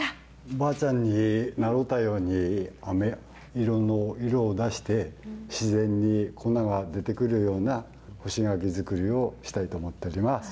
ばあちゃんになろうたように、あめ色の色を出して、自然に粉が出てくるような干し柿作りをしたいと思っております。